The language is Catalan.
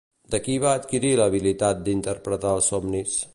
De qui va adquirir l'habilitat d'interpretar els somnis?